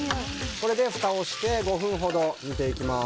これでふたをして５分ほど煮ていきます。